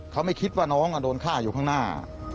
เขาไม่คิดว่าน้องโดนฆ่าอยู่ข้างหน้า